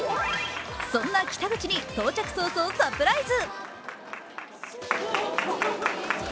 そんな北口に到着早々、サプライズ。